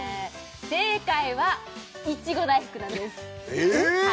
正解はいちご大福なんですえっ！？